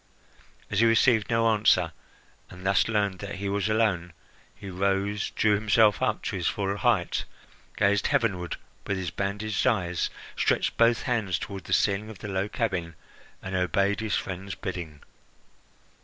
As he received no answer, and thus learned that he was alone, he rose, drew himself up to his full height, gazed heavenward with his bandaged eyes, stretched both hands toward the ceiling of the low cabin, and obeyed his friend's bidding.